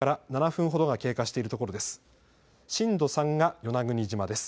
発生から７分ほどが経過しているところです。